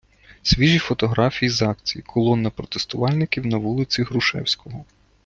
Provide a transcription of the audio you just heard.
Свіжі фотографії з акції: Колона протестувальників на вулиці Грушевського....